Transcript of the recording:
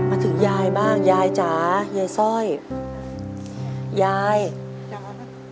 มาถึงยายบ้างยายจ๋ายายซ่อยยายจ๋าครับ